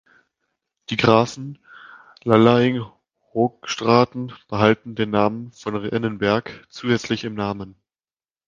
Die Grafen Lalaing-Hoogstraten behalten den Namen "von Rennenberg" zusätzlich im Namen.